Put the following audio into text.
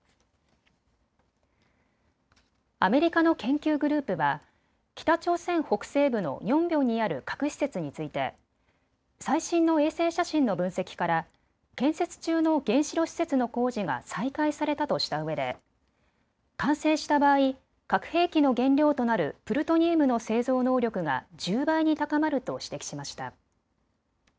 アメリカの研究グループは北朝鮮北西部のニョンビョンにある核施設について最新の衛星写真の分析から建設中の原子炉施設の工事が再開されたとしたうえで完成した場合、核兵器の原料となるプルトニウムの製造能力が１０倍に高まると指摘しました。